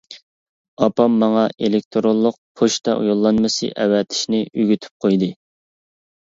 ئاپام ماڭا ئېلېكتىرونلۇق پوچتا يوللانمىسى ئەۋەتىشنى ئۆگىتىپ قويدى.